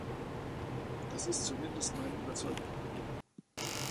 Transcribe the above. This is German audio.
Das ist zumindest meine Überzeugung.